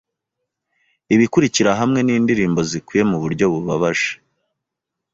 'Ibikurikira hamwe nindirimbo zikwiye muburyo bubabaje